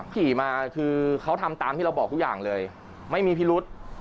ขี่มาคือเขาทำตามที่เราบอกทุกอย่างเลยไม่มีพิรุษ